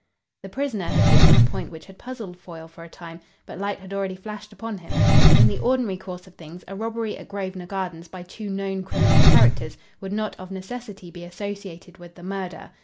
The prisoner had hit on a point which had puzzled Foyle for a time, but light had already flashed upon him. In the ordinary course of things, a robbery at Grosvenor Gardens by two known criminal characters would not of necessity be associated with the murder.